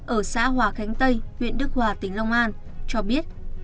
ở xã hòa khánh tây huyện đức hòa tỉnh long an cho biết